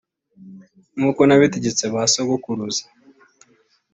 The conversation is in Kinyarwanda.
nkuko nabitegetse ba sogokuruza